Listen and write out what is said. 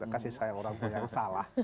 kasih sayang orang tua yang salah